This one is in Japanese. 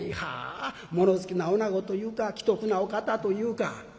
物好きなおなごというか奇特なお方というか。